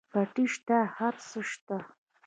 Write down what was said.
پټی شته هر څه شته.